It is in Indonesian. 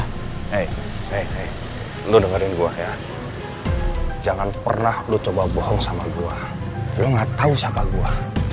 hei hei hei lo dengerin gua ya jangan pernah lo coba bohong sama gua lo nggak tahu siapa gua